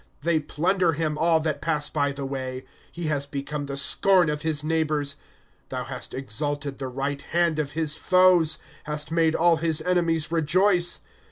*i They plunder him, all that pass by the way ; He has become (he scorn of his neighbors. *^ Thou hast exalted the right hand of his foes ; Hast made all his enemies rejoice.